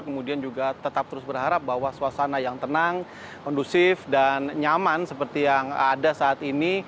kemudian juga tetap terus berharap bahwa suasana yang tenang kondusif dan nyaman seperti yang ada saat ini